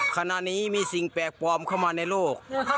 ขณะนี้มีสิ่งแปลกปลอมเข้ามาในโลก